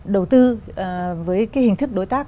đầu tư với cái hình thức đối tác